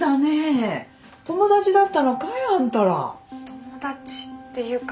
友達っていうか。